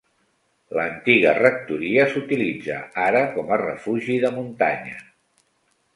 L'antiga rectoria s'utilitza ara com a refugi de muntanya.